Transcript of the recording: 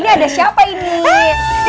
ini ada siapa ini